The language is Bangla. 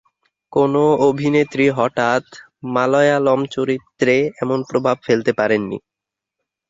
কোনও অভিনেত্রী হঠাৎ মালয়ালম চলচ্চিত্রে এমন প্রভাব ফেলতে পারেননি।